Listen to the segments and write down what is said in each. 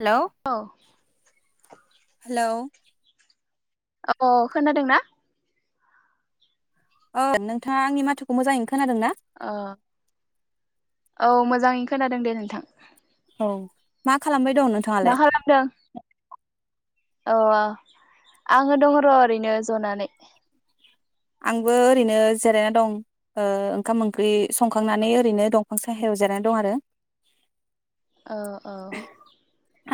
Hello औ। [inaudible] Hello. औ खोनादोंना? औ नोंथाङा आंनि माथोखौ मोजाङैनो खोनादों ना? अ औ मोजाङै खोनादों दे नोंथां। औ मा खालामबाय दं मा नोंथाङालाय? खालामदों औ आं आङो दङ र ओरैनो जनानै। आंबो ओरैनो जिरायना दं ओ ओंखाम ओंख्रि संखांनानै ओरैनो दंफां साहायाव जिरायनानै दं आरो। ओ ओ।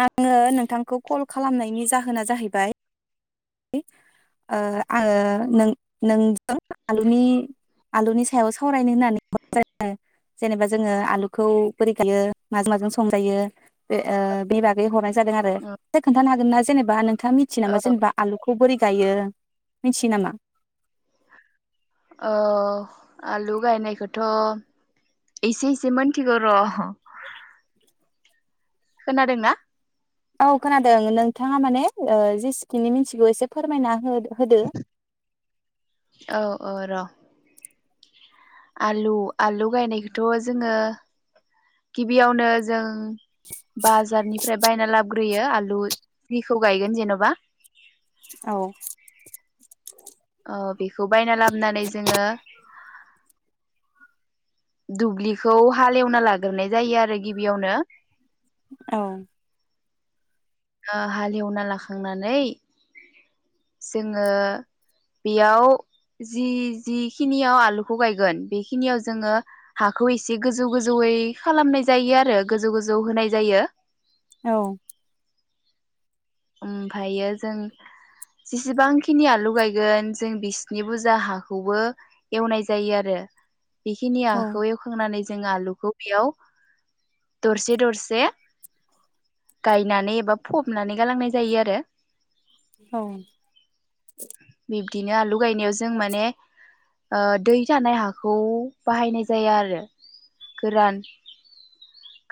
आङो नोंथांखौ कल खालामनायनि जाहोना जाहैबाय ओ आङो नों नोंजों आलुनि आलुनि सायाव सावरायनो होननानै [unintelligible] जेनेबा जोङो आलुखौ बोरै गायो माजों माजों संजायो बे ओ बे बागै हरनाय जादों आरो फाय खोन्थानो हागोन ना? जेनेबा थाङा मिथियो औ नामा जेनेबा आलुखौ बोरै गायो मिथियो नामा? औ आलु गायनायखौथ एसे एसे मोनथिगौ र खोनादोंना? औ खोनादों नोंथाङा माने ओ जेसेखिनि मिथिगौ एसे फोरमायना हो औ औ र आलु आलु गायनायखौथ जोङो गिबियावनो जों बाजारनिफ्राय बायना लाबग्रोयो आलु बिखौ गायगोन जेनबा औ ओ बेखौ बायना लाबनानै जोङो दुब्लिखौ हाल एवना लागोरनाय जायो आरो गिबियावनो औ ओ हालेवना लाखांनानै जोङो बेयाव जि जिखिनियाव आलुखौ गायगोन बेखिनियाव जोङो हाखौ एसे गोजौ गोजौयै खालामनाय जायो आरो गोजौ गोजौ होनाय जायो। औ ओमफायो जों जेसेबांखिनि आलु गायगोन जों बिसनि बुजा हाखौबो एवनाय जायो आरो। बिखिनि औ आखौ एवखांनानै जों आलुखौ बेयाव दरसे दरसे गायनानै एबा फबनानै गालांनाय जायो आरो। औ दिनो आलु गायनायाव जों माने ओ दै थानाय हाखौ बाहायनाय जाया आरो गोरान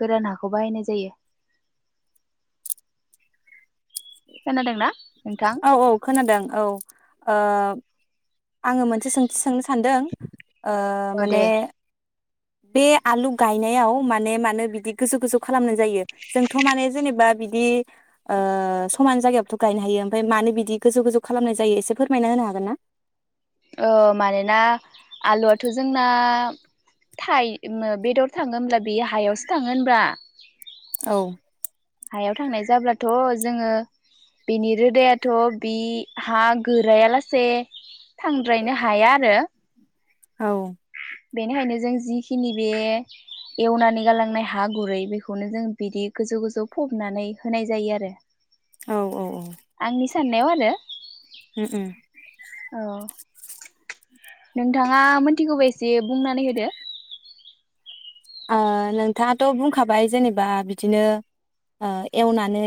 गोरान हाखौ बाहायनाय जायो। खोनादोंना? नोंथां औ औ खोनादों औ ओ आङो मोनसे सोंथि सोंनो सान्दों ओ औ दे माने बे आलु गायनायाव माने मानो बिदि गोजौ गोजौ खालामनाय जायो? जोंथ माने जेनेबा बिदि ओ समान जायगायावबोथ गायनो हायो ओमफाय मानो बिदि गोजौ गोजौ खालामनाय जायो एसे फोरमायना होनो हागोन ना? औ मानोना आलुआथ' जोंना थायो उम बेदर थाङो होनब्ला बेयो हायावसो थाङो होमब्ला औ हायाव थांनाय जाब्लाथ' जोङो बिनि रोदायाथ' बि हा गोरायालासे थांद्रायनो हाया आरो औ बेनिखायनो जों जिखिनि बे एवनानै गालांनाय हा गुरै बेखौनो जों बिदि गोजौ-गोजौ फबनानै होनाय जायो आरो। औ औ औ आंनि स साननायाव आरो उम उम औ नोंथाङा मोनथिगौबा एसे बुंनानै होदो? ओ नोंथाङाथ' बुंखाबाय जेनेबा बिदिनो ओ एवनानै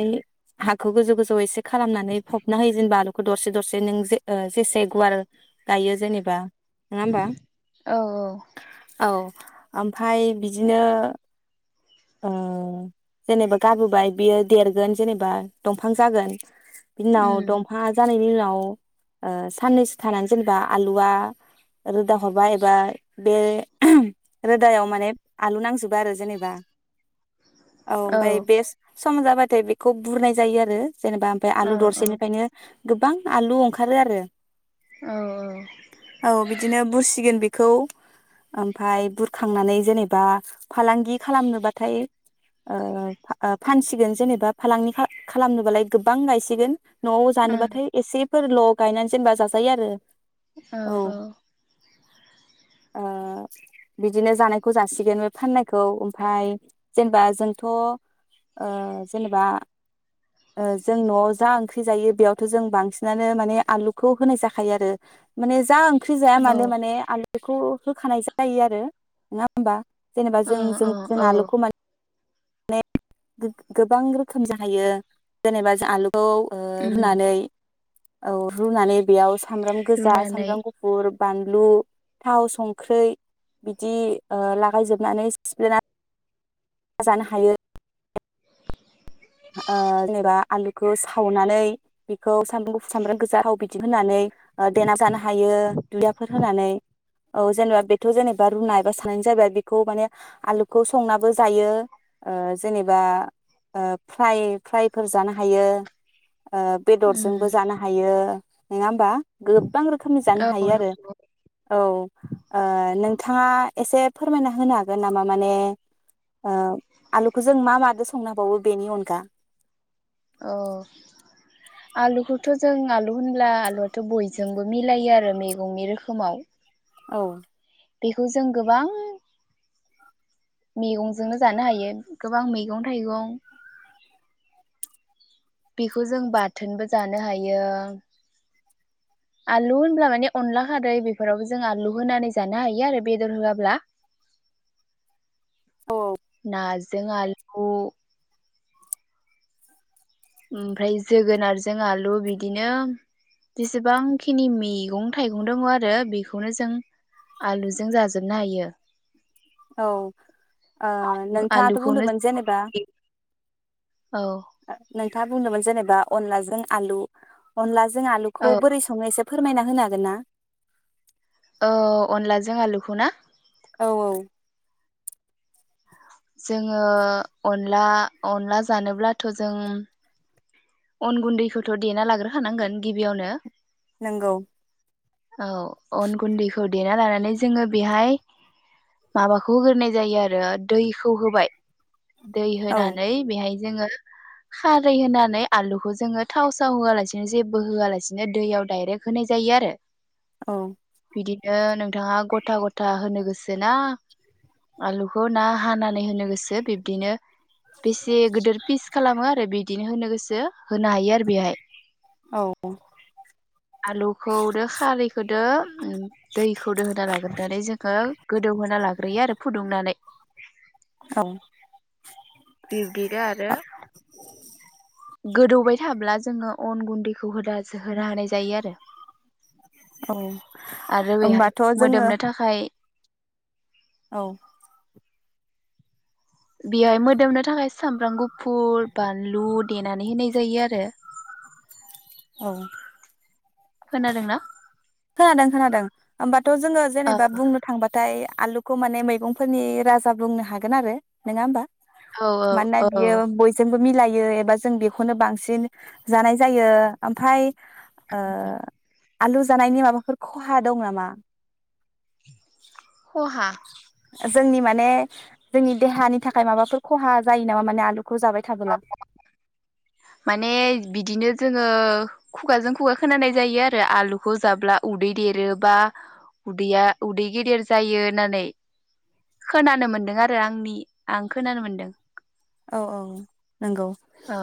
हाखौ गोजौ गोजौ एसे खालामनानै फबना होयो जेनबा दरसे दरसे नों जे जेसे गुवार गायो जेनेबा नङा होमबा। औ औ औ ओमफाय दिनो ओ जेनेबा गाबोबाय बियो देरगोन जेनेबा दंफां जागोन। बिनि उनाव उम दंफा जानायनि उनाव औ साननैसो थानानै जेनेबा आलुआ रोदा हरबा एबा बे रोदायाव माने आलु नांजोबा आरो जेनेबा औ ओमफाय बेस सम जाबाथाय बेखौ बुरनाय जायो आरो। जेनेबा ओमफाय औ आलु दरसेनिफायनो गोबां आलु ओंखारो आरो। औ औ। औ बिदिनो बुरसिगोन बेखौ ओमफ्राय बुरखांनानै जेने बा फालांगि खालामनोबाथाय ओ ओ फा-फानसिगोन जेनेबा फालांगि खालामनोबालाय गोबां गायसिगोन न'आव औ जानोबाथाय एसेफोरल' गायनानै जेनेबा जाजायो आरो। औ औ। ओ बिदिनो जानायखौ जासि बिदिनो फाननायखौ ओमफाय जेनेबा जोंथ' ओ जेनबा ओ जों जा ओंख्रि जायो बांसिनानो आलुखौ होनाय जाखायो आरो माने जा ओंख्रि जाया मानो माने आलु बेखौ होखानाय जायो आरो ना होमबा? जेनेबा औ जों औ जों जों औ आलुखौ माने माने गो-गोबां रोखोम जाहैयो जेनेबा ज आलु खौ ओ उम रुनानै औ रुनानै बेयाव सामब्राम गोजा, रुनानै सामब्राम गुफुर बानलु, थाव, संख्रै बिदि ओ लागायजोबनानै सिफ्लेनानै जानो हायो। ओ जेनेबा आलुखौ सावनानै बेखौ सामब्राम गुफु सामब्राम गोजा बिदि होनानै ओ देना जानो हायो दुदियाफोर होनानै। औ जेनेबा बेथ' जेनेबा रुना एबा सानायानो जाबबाय बेखौ माने आलुखौ संनाबो जायो ओ जेनेबा ओ फ्राय-फ्रायफोर जानो हायो ओ उम बेदरजोंबो जानो हायो। नोङा होमबा? गोबां रोखोमनि जानो औ हायो आरो नंगौ औ ओ नों थाङा एसे फोरमायना होनो हागोन नामा माने ओ आलुखौ जों मा मादो संनो हाबावो? बेनि अनगा औ आलुखौथ' जों आलु होनब्ला आलुआथ' बयजोंबो मिलायो आरो मैगंनि रोखोमाव। औ। बेखौ जों गोबां मैगंजोंनो जानो हायो गोबां मैगं थाइगं बेखौ जों बाथोनबो जानो हायो। आलु होनब्ला माने अनला खारै बेफोरावबो जों आलु होनानै जानो हायो आरो बेदर होआब्ला औ नाज जों आलगु ओमफ्राय जोगोनारजों आलु बिदिनो जसेबांखिनि मैगं थाइगं दङ' आरो बेखौनो जों आलुजों जाजोबनो हायो औ ओ नोंथाङाथ आलुखौनो बुंदोंमोन जेनेबा औ खोथा बुंदोंमोन जेनेबा अनलाजों आलु अनलाजों जों आलुखौ औ बोरैसङो एसे फोरमायना होनो हागोन ना? औ अनलाजों आलुखौ ना? औ औ। जोङो अनला अनला जानोब्लाथ जों अन गुन्दैखौथ देना लाग्रो खानांगोन गिबियावनो नोंगौ। औ अन गुन्दैखौ देना लानानै जोङो बेहाय माबाखौ होग्रोनाय जायो आरो दैखौ होबाय। दै औ होनानै बेहाय जोङो खारै होनानै आलुखौ जोङो थाव साव होआलासिनो जेबो होआलासिनो दैयाव दडायरेक्ट होनाय जायो आरो। औ। बिदिनो नोंथाङा गथा गथा होनो गोसो ना आलुखौ ना हानानै होनो गोसो बिब्दिनो बेसे गिदिर पिस खालामो आरो बिदिनो होनो गोसो जो होनो हायो आरो बेहाय। औ आलुखौदो खारैखौदो दैखौदो होना लाग्रोनानै जोङो गोदौहोना लाग्रोयो आरो फुदुंनानै। औ बिब्दिनो आरो गोद दौबाय थाब्ला जोङो अन गुन्दैखौ होदा होनो हानाय जायो। आरो औ आरो बेहाय होमबाथ' जोङो मोदोमनो थाखाय औ। बेहाय मोदोमनो थाखाय सामब्राम गुफुर बानलु देनानै होनाय जायो आरो। औ। खोनादोंना खोनादों खोनादों। होमबाथ जोङो ओ जेनेबा बुंनो थांबाथाय आलु खौ माने मैगंफोरनि राजा बुंनो हागोन आरो। नोङा होमबा? औ मानोना औ बियो बयजोंबो मिलायो। एबा जों बेखौनो बांसिन जानाय जायो। ओमफाय ओ आलु जानायनि माबाफोर खहा दं नामा? खहा जोंनि माने जोंनि देहानि थाखाय माबाफोर खहा जायो नामा माने आलु [unintelligible] माने बिदिनो जोङो खुगाजों खुगा खोनानाय जायो आरो आलुखौ जाब्ला उदै देरोबा उदैया उदै गेदेर जायो होन्नानै। खोनानो मोन्दों आरो आंनि आं खोनानो मोन्दों। औ औ नोंगौ। औ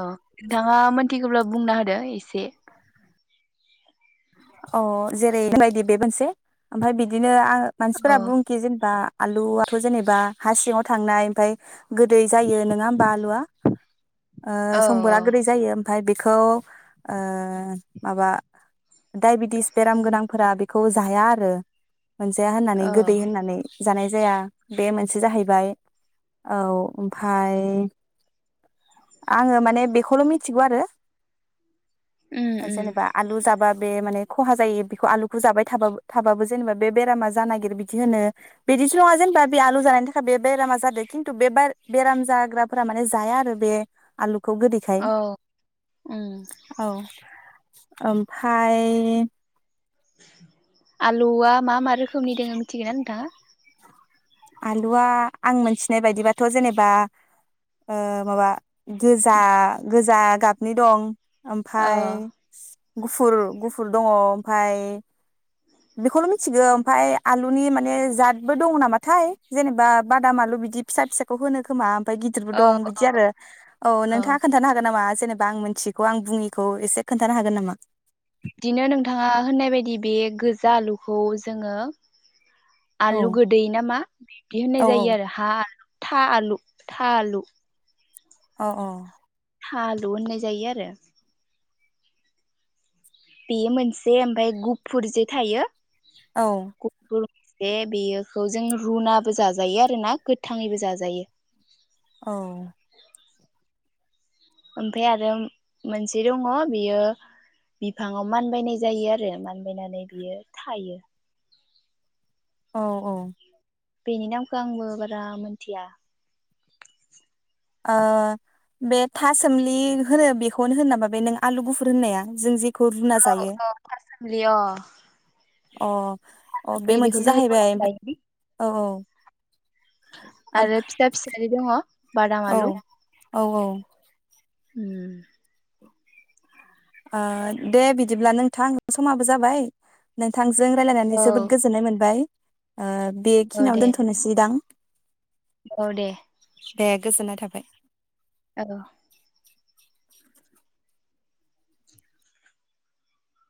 नोंथाङा मोन्थिगौब्ला बुंना होदो एसे। अ जेरै बेबायदि बे मोनसे ओमफ्राय बिदिनो आं औ मानसिफोरा बुंखि जेनेबा आलुआथ जेनेबा हा सिङाव थांनाय ओमफ्राय गोदै जायो नङा होमबा आलुआ ओ औ संबोरा गोदै जायो ओमफ्राय बे खौ ओ माबा डायबेटिस बेराम गोनांफोरा बेखौ जाया आरो मोनजाया होननानै औ गोदै होननानै जानाय जाया बे मोनसे जाहैबाय औ ओमफाय आङो माने बेखौल मिथिगौ आरो उम उम जेनेबा आलु जाबा बे माने खहा जायो बेखौ आलुखौ जाबाय थाबा थाबाबो जेनेबा बे बेरामा जानो नागिर बिदि होनो बिदिस नङा जेनेबा बे आलु जानायनि थाखाय बे बेरामा जादों खिन्थु बे बेराम जाग्राफोरा माने जाया आरो बे आलु खौ गोदैखाय औ उम औ ओमफ्रा फाय आल लुआ मा मा रोखोमनि दोङो मिथिगोन ना नोंथाङा? आलुआ आं मोनथिनाय बायदिबाथ जेनेबा ओ माबा गोजा गोजा गाबनि दं अ ओमफाय गुफुर गुफुर दङ ओमफाय बेखौल मिथिगौ ओमफाय आलुनि माने जादबो दङ नामा थाय जेनेबा बादाम आलु बिदि फिसा फिसाखौ होनो खोमा ओमफाय गिदिरबो औ दं बिदि आरो औ नोंथाङा खोन्थानो हागोन नामा जेनेबा आं मिनथिखौ आं बुङिखौ एसे खोन्थानो हागोन नामा? बिदिनो नोंथाङा होननाय बायदि बे गोजा आलुखौ जोङो औ आलु गोदै नामा बिदि औ होननाय जायो आरो हा आल था आलु था आलु अ अ था आलु होननाय जायो आरो बेयो मोनसे ओमफाय गुफुरजे थायो औ जे बेयोखौ जों रुनाबो जाजायो आरो ना गोथाङैबो जाजायो औ ओमफाय आरो मोनसे दङ बियो बिफाङाव मानबायनाय जायो आरो मानबायनानै बियो थायो। औ औ बेनि नामखौ आंबो बारा मोनथिया ओ बे थासोमलि होनो बेखौनो होन नामा बे नों आलु गुफुर होननाया जों जे औ औ था सोमलि अ अ अ बे बेखौ मोनसे जों रुना जाहैबाय जायोदि औ औ ओमफा आरो फिसा फिसारि दङ बादाम औ आलु। औ औ उम ओ दे बिदिब्ला नोंथां समाबो जाबाय नोंथां जों रायजलायनानै औ जोबोद गोजोन्नाय मोनबाय ओ औ बेखिनियावनो दे दोनथनोसैदां औ दे दे गोजोननाय थाबाय औ